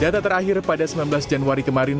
data terakhir pada sembilan belas januari kemarin